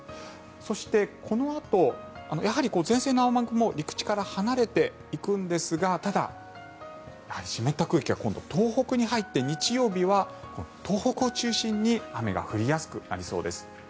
そして、このあとやはり前線の雨雲は陸地から離れていくんですがただ、湿った空気が東北に入って日曜日は東北を中心に雨が降りやすくなりそうです。